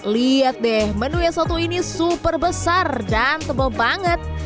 lihat deh menu yang satu ini super besar dan tebal banget